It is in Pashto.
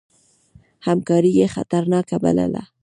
همکاري یې خطرناکه بلله.